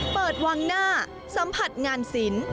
เปิดวางหน้าสัมผัสงานศิลป์